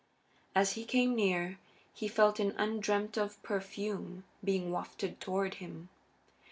As he came near he felt an undreamt of perfume being wafted toward him.